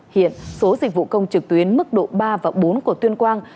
hiện số dịch vụ công trực tuyến mức độ ba và bốn của tuyên quang